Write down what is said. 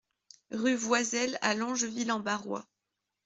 Rue Voiselle à Longeville-en-Barrois